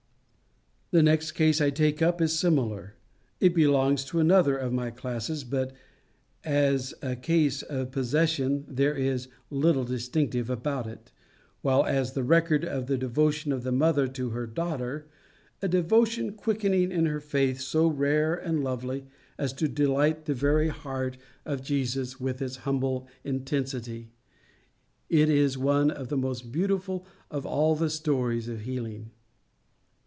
The next case I take up is similar. It belongs to another of my classes, but as a case of possession there is little distinctive about it, while as the record of the devotion of a mother to her daughter a devotion quickening in her faith so rare and lovely as to delight the very heart of Jesus with its humble intensity it is one of the most beautiful of all the stories of healing.